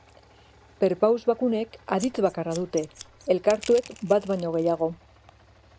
Perpaus bakunek aditz bakarra dute; elkartuek bat baino gehiago.